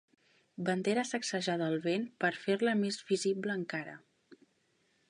Bandera sacsejada al vent per fer-la més visible encara.